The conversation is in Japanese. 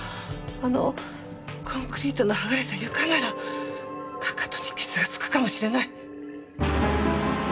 あのコンクリートのはがれた床ならかかとに傷が付くかもしれない。